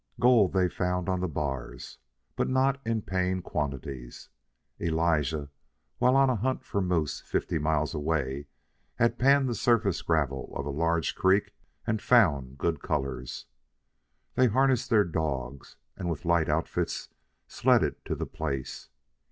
Gold they found on the bars, but not in paying quantities. Elijah, while on a hunt for moose fifty miles away, had panned the surface gravel of a large creek and found good colors. They harnessed their dogs, and with light outfits sledded to the place.